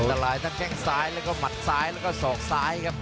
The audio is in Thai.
ตลายทั้งแข้งซ้ายแล้วก็หมัดซ้ายแล้วก็ศอกซ้ายครับ